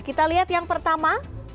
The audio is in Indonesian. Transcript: kita lihat yang pertama